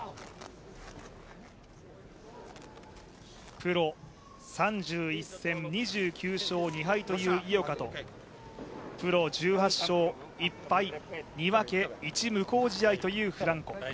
プロ３１戦２９勝２敗という井岡とプロ１８勝１敗２分１無効試合というフランコ。